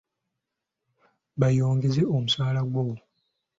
Bayongezza omusaala gwo?